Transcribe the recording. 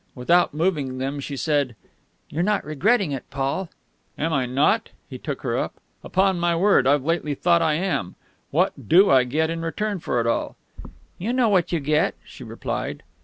Without moving them she said, "You're not regretting it, Paul?" "Am I not?" he took her up. "Upon my word, I've lately thought I am! What do I get in return for it all?" "You know what you get," she replied.